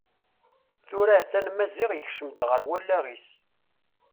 Tura a-t-an Maziɣ yekcem-d ɣer wallaɣ-is.